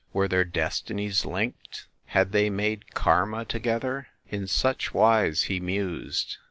Were their destinies linked ? Had they made Karma to gether ? In such wise he mused.